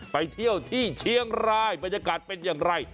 ไปเที่ยวที่เชียงรายบรรยากาศเป็นอย่างไร